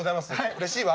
うれしいわ！